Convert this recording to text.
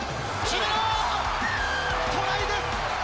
トライです！